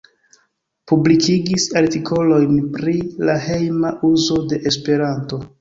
Publikigis artikolojn pri la hejma uzo de Esperanto.